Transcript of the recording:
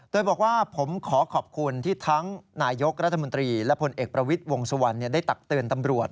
โดยบอกว่าผมขอขอบคุณที่ทั้งนายกรัฐมนตรีและผลเอกประวิทย์วงสุวรรณได้ตักเตือนตำรวจ